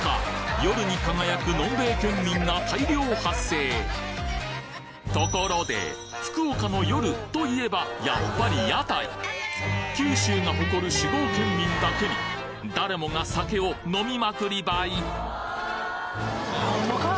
夜に輝くところで福岡の夜といえばやっぱり九州が誇る酒豪県民だけに誰もが酒を飲みまくりばい